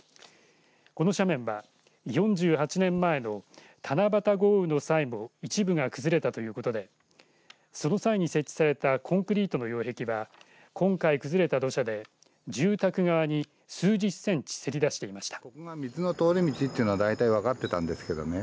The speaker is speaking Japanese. この斜面は４８年前の七夕豪雨の際も一部が崩れたということでその際に設置されたコンクリートの擁壁は今回崩れた土砂で住宅側に数十センチせり出していました。